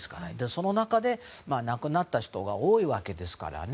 その中で亡くなった人が多いわけですからね。